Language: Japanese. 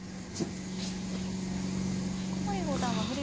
古森五段は振り